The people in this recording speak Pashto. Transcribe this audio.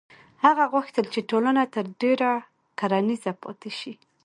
هغه غوښتل چې ټولنه تر ډېره کرنیزه پاتې شي.